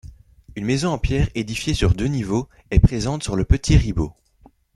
Une maison en pierre édifiée sur deux niveaux est présente sur le Petit Ribaud.